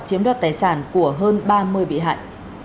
chiếm đoạt tài sản của hơn ba mươi bị hại